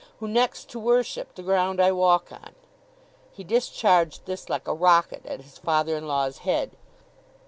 —who next to worship the ground I walk on.' He discharged this like a Rocket, at his father in law's head.